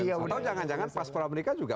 padahal jangan jangan paspor amerika juga